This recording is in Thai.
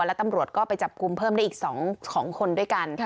แล้วตำรวจก็ไปจับกลุ่มเพิ่มได้อีก๒คนด้วยกัน